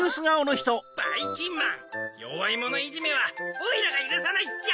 ばいきんまんよわいものいじめはオイラがゆるさないっちゃ！